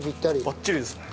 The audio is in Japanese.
バッチリですね。